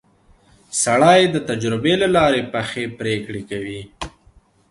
سړی د تجربې له لارې پخې پرېکړې کوي